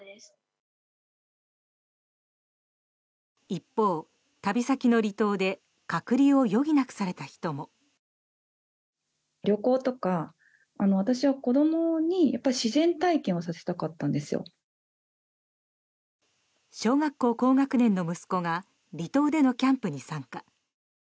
一方、旅先の離島で隔離を余儀なくされた人も。小学校高学年の息子が離島でのキャンプに参加。